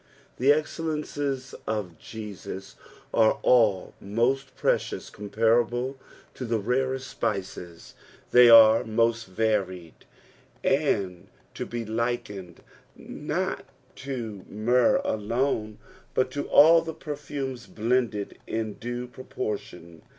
Tlie excellences of Je^ua are all roost precious, comparable to the rorcst spices ; tiiey aie most vaiied, and to be likened not to myrrh alone, hut to all the perfumes blended in due proportion.